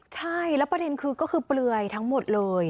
ใช่แล้วประเด็นคือก็คือเปลือยทั้งหมดเลย